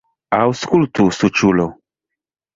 Aŭskultu, suĉulo!